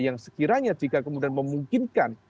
yang sekiranya jika kemudian memungkinkan